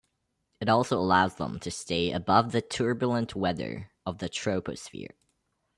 It also allows them to stay above the turbulent weather of the troposphere.